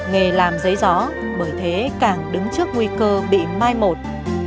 nghề làm giấy gió bởi thế càng đứng trước nguy cơ bị mai một